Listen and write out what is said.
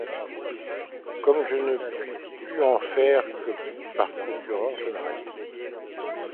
Comme je ne puis plus en faire que par procureur, je m’arrête.